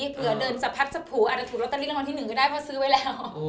เผื่อเดินสะพัดสะผูอาจจะถูกลอตเตอรี่รางวัลที่๑ก็ได้เพราะซื้อไว้แล้ว